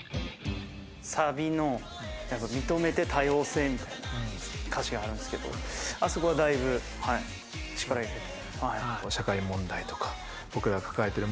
サビの「認めて多様性」みたいな歌詞があるんですけど、あそこはだいぶ力を入れて。